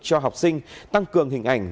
cho học sinh tăng cường hình ảnh